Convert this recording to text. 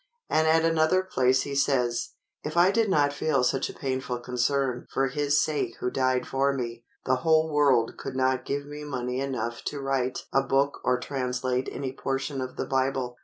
And at another place he says, "If I did not feel such a painful concern for his sake who died for me, the whole world could not give me money enough to write a book or translate any portion of the Bible.